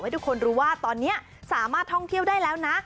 ให้ทุกคนรู้ว่าตอนนี้สามารถท่องเที่ยวได้แล้วนะ